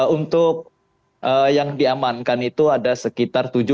untuk yang diamankan itu ada sekitar tujuh